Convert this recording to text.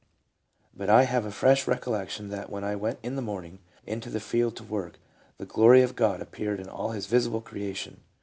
" But I have a fresh recollec tion that when I went in the morning .... into the field to work, the glory of God appeared in all His visible creation.